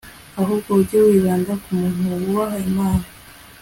ahubwo ujye wibanda ku muntu wubaha imana